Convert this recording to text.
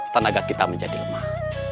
tenaga kita menjadi lemah